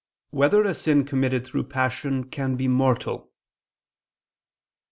8] Whether a Sin Committed Through Passion Can Be Mortal?